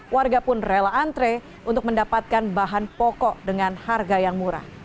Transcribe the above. warga pun rela antre untuk mendapatkan bahan pokok dengan harga yang murah